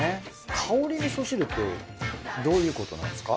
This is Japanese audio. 香りみそ汁ってどういうことなんすか？